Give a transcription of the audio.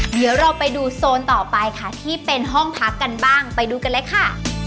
เดี๋ยวเราไปดูโซนต่อไปค่ะที่เป็นห้องพักกันบ้างไปดูกันเลยค่ะ